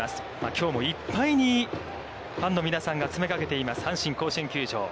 きょうもいっぱいにファンの皆さんが詰めかけています、阪神甲子園球場。